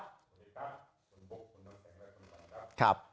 สวัสดีครับคุณบุ๊คคุณน้ำแข็งและคุณหมอครับ